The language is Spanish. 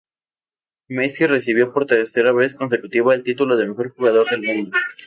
Messi recibió por tercera vez consecutiva el título del mejor jugador del mundo.